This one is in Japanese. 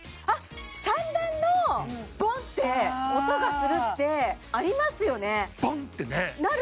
３番のボンって音がするってありますよねなる！